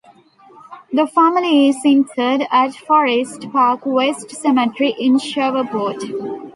The family is interred at Forest Park West Cemetery in Shreveport.